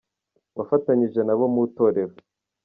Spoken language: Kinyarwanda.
Wafatanyije nabo mu itorero